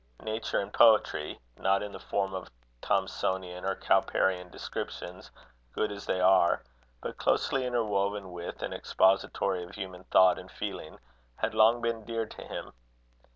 Nature in poetry not in the form of Thomsonian or Cowperian descriptions, good as they are, but closely interwoven with and expository of human thought and feeling had long been dear to him.